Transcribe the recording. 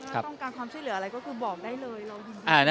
ถ้าต้องการความช่วยเหลืออะไรก็คือบอกได้เลย